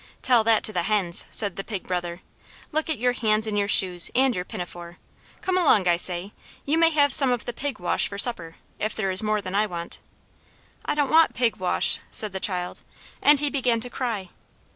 "Tell that to the hens!" said the Pig Brother. "Look at your hands and your shoes, and your pinafore! Come along, I say! You may have some of the pig wash for supper, if there is more than I want." "I don't want pig wash!" said the child; and he began to cry.